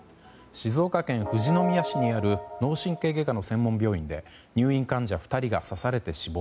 静岡県富士宮市にある脳神経外科の専門病院で入院患者２人が刺されて死亡。